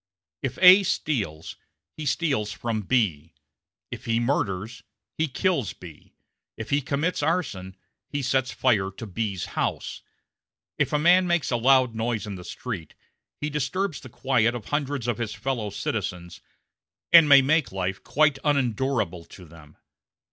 If A steals, he steals from B; if he murders, he kills B; if he commits arson, he sets fire to B's house. If a man makes a loud noise in the street, he disturbs the quiet of hundreds of his fellow citizens, and may make life quite unendurable to them.